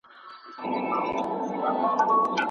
ایا تاسي د روغتیا په اړه معلومات لرئ؟